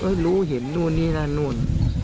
รู้เห็นนู่นนี่นั่นนู่น